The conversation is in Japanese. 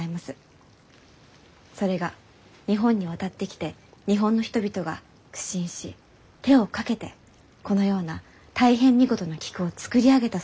それが日本に渡ってきて日本の人々が苦心し手をかけてこのような大変見事な菊を作り上げたそうにございます。